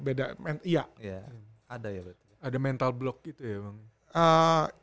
ada mental block gitu ya emang